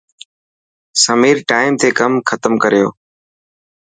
سمير ٽائم تي ڪم ختم ڪريو.